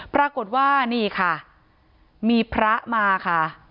ปรากฏว่านี่ค่ะมีพระมาค่ะ